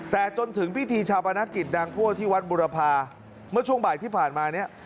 แต่จนถึงพิธีชาปนกิจนางคั่วที่วัดบุรพาเมื่อช่วงบ่ายที่ผ่านมาเนี่ย